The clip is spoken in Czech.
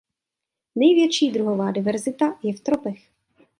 Největší druhová diverzita je v tropech.